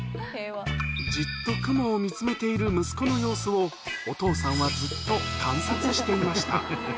じっと雲を見つめている息子の様子を、お父さんはずっと観察していました。